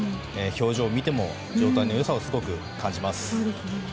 表情を見ても状態の良さをすごく感じます。